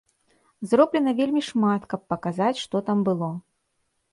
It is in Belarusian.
Зроблена вельмі шмат, каб паказаць, што там было.